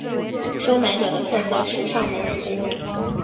收买者的特色是上门服务。